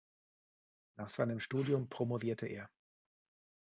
Nach seinem Studium promovierte er.